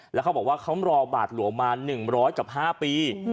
แล้วเขาบอกว่าเขารอบาทหลวงมา๑๐๐กับ๕ปี